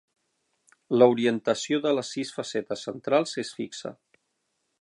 L'orientació de les sis facetes centrals és fixa.